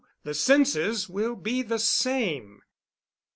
The senses will be the same.